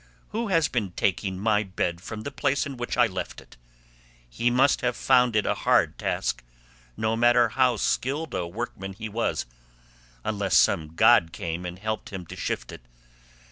Who has been taking my bed from the place in which I left it? He must have found it a hard task, no matter how skilled a workman he was, unless some god came and helped him to shift it.